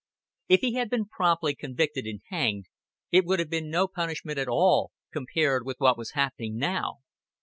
If he had been promptly convicted and hanged, it would have been no punishment at all compared with what was happening now.